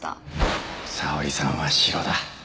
沙織さんはシロだ。